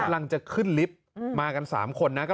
กำลังจะขึ้นลิฟต์มากัน๓คนนะครับ